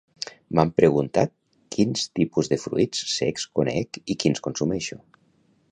M'han preguntat quins tipus de fruits secs conec i quins consumeixo